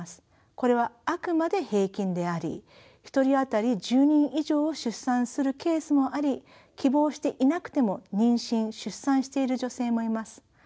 これはあくまで平均であり１人あたり１０人以上を出産するケースもあり希望していなくても妊娠出産している女性もいます。